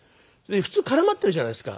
普通絡まってるじゃないですか。